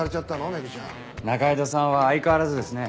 メグちゃん。仲井戸さんは相変わらずですね。